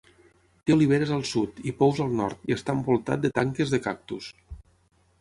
Té oliveres al sud, i pous al nord, i està envoltat de tanques de cactus.